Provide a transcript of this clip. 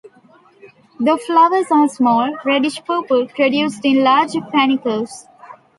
The flowers are small, reddish-purple, produced in large panicles.